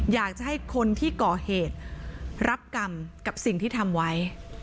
อยากจะให้คนที่ก่อเหตุรับกรรมกับสิ่งที่ทำไว้